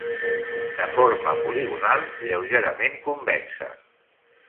De forma poligonal, lleugerament convexa.